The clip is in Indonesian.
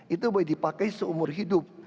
itu boleh dipakai seumur hidup